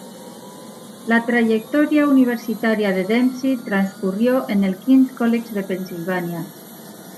La trayectoria universitaria de Dempsey transcurrió en el King's College de Pensilvania.